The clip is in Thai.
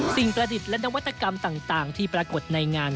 ประดิษฐ์และนวัตกรรมต่างที่ปรากฏในงาน